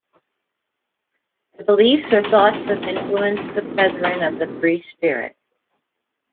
The beliefs are thought to have influenced the Brethren of the Free Spirit.